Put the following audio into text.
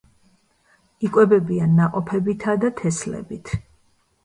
იკვებებიან ნაყოფებითა და თესლებით.